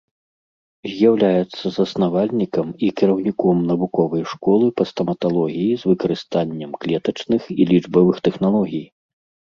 З'яўляецца заснавальнікам і кіраўніком навуковай школы па стаматалогіі з выкарыстаннем клетачных і лічбавых тэхналогій.